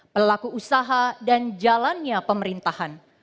pelaku usaha dan jalannya pemerintahan